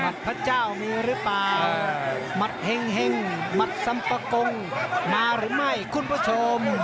พระเจ้ามีหรือเปล่าหมัดเห็งหมัดสัมปะกงมาหรือไม่คุณผู้ชม